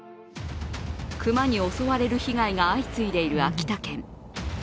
熊に襲われる被害が相次いでいる秋田県。